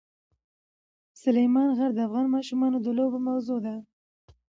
سلیمان غر د افغان ماشومانو د لوبو موضوع ده.